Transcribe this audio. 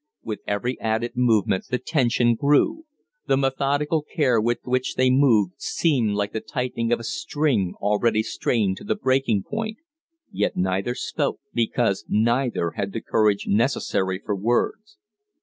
With every added movement the tension grew. The methodical care with which they moved seemed like the tightening of a string already strained to breaking point, yet neither spoke because neither had the courage necessary for words.